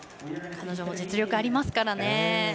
彼女も実力ありますからね。